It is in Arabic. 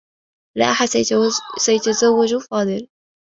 لا أحد سيتزوّج من فاضل.